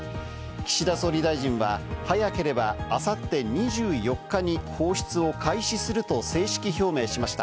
岸田総理大臣は、早ければあさって２４日に放出を開始すると正式表明しました。